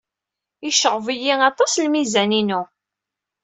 Yecɣeb-iyi aṭas lmizan-inu.